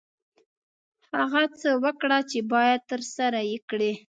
هغه څه وکړه چې باید ترسره یې کړې.